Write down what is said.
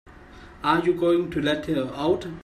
Are you going to let her out?